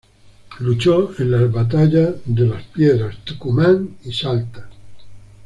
Luchó en las batallas de Las Piedras, Tucumán y Salta.